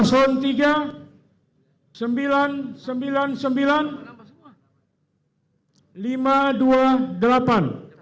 kamu sudah nambah semua